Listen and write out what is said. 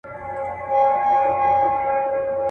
له هري غیږي له هر یاره سره لوبي کوي.